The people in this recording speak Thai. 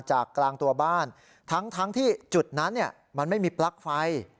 กลางตัวบ้านทั้งที่จุดนั้นมันไม่มีปลั๊กไฟ